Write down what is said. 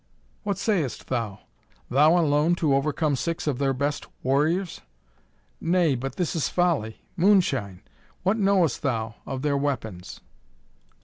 "What sayest thou? Thou alone to overcome six of their best warriors? Nay, but this is folly! Moonshine! What knowest thou of their weapons?"